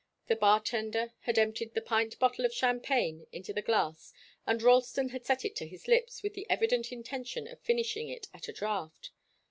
The bar tender had emptied the pint bottle of champagne into the glass and Ralston had set it to his lips with the evident intention of finishing it at a draught.